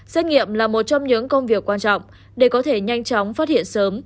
xét nghiệm là một trong những công việc quan trọng để có thể nhanh chóng phát hiện sớm